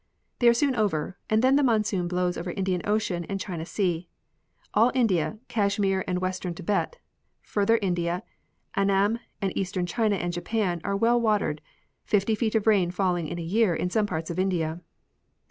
They are soon over, and then the monsoon blows over Indian ocean and China sea. All India, Kashmir and western Tibet, Farther India, Annam, and eastern China and Japan are Avell watered, fifty feet of rain falling in a year in some parts of India.